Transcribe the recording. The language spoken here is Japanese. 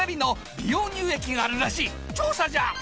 調査じゃ！